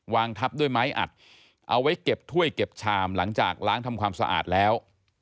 งทับด้วยไม้อัดเอาไว้เก็บถ้วยเก็บชามหลังจากล้างทำความสะอาดแล้ว